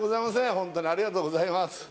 ホントにありがとうございます